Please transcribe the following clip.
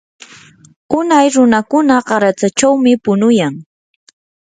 unay runakuna qaratsachawmi punuyan.